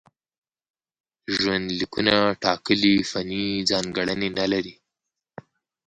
ژوندلیکونه ټاکلې فني ځانګړنې نه لري.